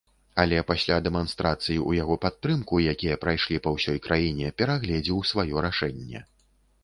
Але пасля дэманстрацый у яго падтрымку, якія прайшлі па ўсёй краіне, перагледзеў сваё рашэнне.